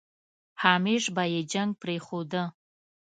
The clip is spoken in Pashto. همېش به يې جنګ پرېښوده.